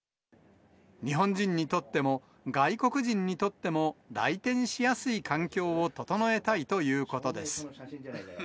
日本人にとっても、外国人にとっても、来店しやすい環境を整えたいということです。